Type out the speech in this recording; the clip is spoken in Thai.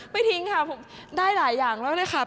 ทิ้งค่ะผมได้หลายอย่างแล้วเลยค่ะ